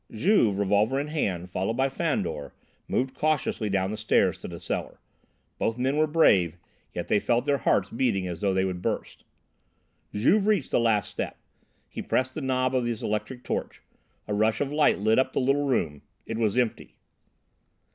Juve, revolver in hand, followed by Fandor, moved cautiously down the stairs to the cellar: both men were brave, yet they felt their hearts beating as though they would burst. Juve reached the last step. He pressed the knob of his electric torch; a rush of light lit up the little room. It was empty!